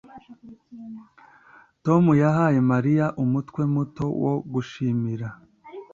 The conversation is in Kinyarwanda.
Tom yahaye Mariya umutwe muto wo gushimira.